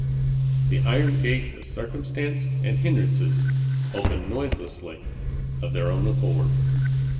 the iron gates of circumstance and hin drances open noiselessly of their own accord.